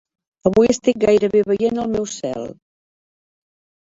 Avui, estic gairebé veient el meu cel.